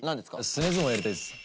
スネ相撲やりたいっす。